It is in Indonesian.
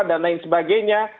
dan lain sebagainya